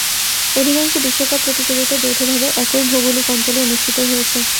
অধিকাংশ বিশ্বকাপ প্রতিযোগিতা যৌথভাবে একই ভৌগোলিক অঞ্চলে অনুষ্ঠিত হয়েছে।